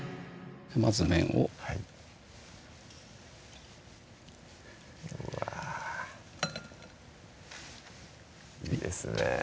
まず麺をはいうわいいですね